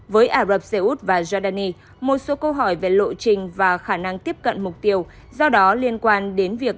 với ả rập xê út và giordani một số câu hỏi về lộ trình và khả năng tiếp cận mục tiêu do đó liên quan đến việc